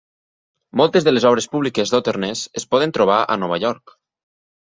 Moltes de les obres públiques d'Otterness es poden trobar a Nova York.